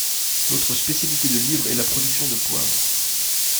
L'autre spécialité de l'île est la production de poivre.